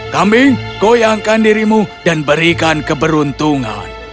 kambing goyangkan dirimu dan berikan keberuntungan